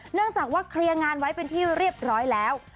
เนื่องจากว่าเคลียร์งานไว้เป็นที่เรียบร้อยแล้ว